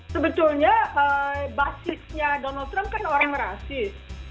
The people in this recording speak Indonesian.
sebetulnya basisnya donald trump kan orang rasis